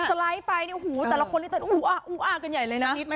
สไลด์ไปแต่ละคนเลยเต้นอูอากันใหญ่เลยนะ